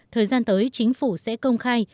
thời gian tới chính phủ sẽ công khai